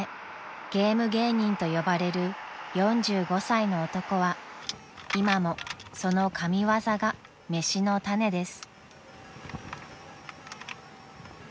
［「ゲーム芸人」と呼ばれる４５歳の男は今もその神業が飯の種です］